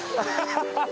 ハハハハ！